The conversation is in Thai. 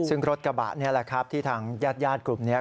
ซึ่งรถกระบะนี่แหละครับที่ทางญาติกลุ่มนี้